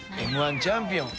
Ｍ−１チャンピオン。